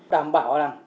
đảm bảo rằng